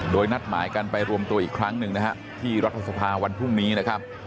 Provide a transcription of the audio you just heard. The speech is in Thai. โดยนัดหมายกันไปรวมตัวอีกครั้งหนึ่งนะฮะที่รัฐสภาวันพรุ่งนี้นะครับ